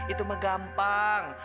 itu mah gampang